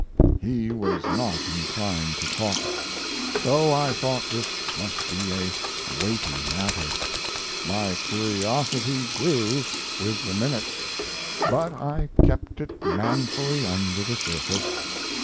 He was not inclined to talk. So I thought this must be a weighty matter. My curiosity grew with the minutes, but I kept it manfully under the surface.